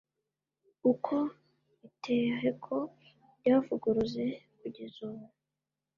uko iteheko ryavuguruze kugeza ubu